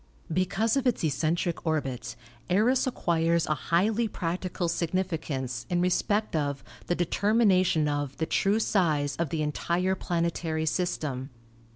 Because of its eccentric orbit Eros acquires a highly practical significance in respect of the determination of the true size of the entire planetary system.